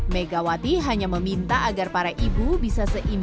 megawati hanya meminta agar para ibu bisa seimbang